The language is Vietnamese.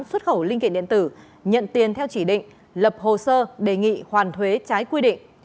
xuất khẩu linh kiện điện tử nhận tiền theo chỉ định lập hồ sơ đề nghị hoàn thuế trái quy định